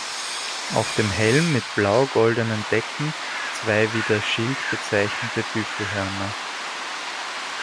Auf dem Helm mit blau-goldenen Decken zwei wie der Schild bezeichnete Büffelhörner.